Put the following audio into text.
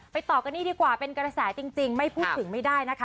ต่อกันนี่ดีกว่าเป็นกระแสจริงไม่พูดถึงไม่ได้นะคะ